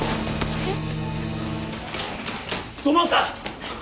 えっ？